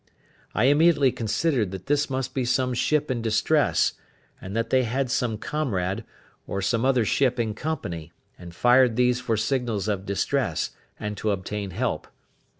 I immediately considered that this must be some ship in distress, and that they had some comrade, or some other ship in company, and fired these for signals of distress, and to obtain help.